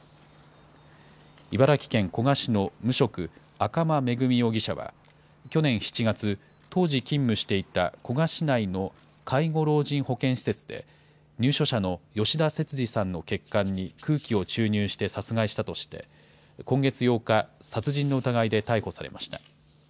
茨城県古河市の無職、赤間恵美容疑者は去年７月、当時勤務していた古河市内の介護老人保健施設で、入所者の吉田節次さんの血管に空気を注入して殺害したとして、今月８日、殺人の疑いで逮捕されました。